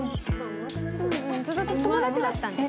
ずっと友達だったんですね。